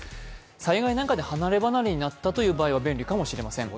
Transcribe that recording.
災害などで離れ離れになった場合は便利かもしれません。